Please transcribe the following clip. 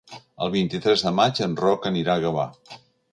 El vint-i-tres de maig en Roc anirà a Gavà.